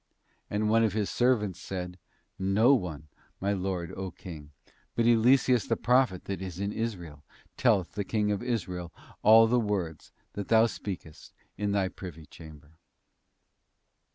And one of his servants said, No one, my Lord O King; but Eliseus the prophet that is in Israel, telleth the King of Israel all the words, that thou speakest in thy privy chamber.